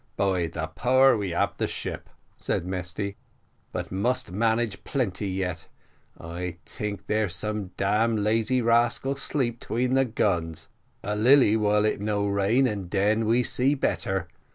"By the power we ab the ship!" said Mesty, "but must manage plenty yet. I tink der some damn lazy rascal sleep 'tween the guns. A lilly while it no rain, and den we see better.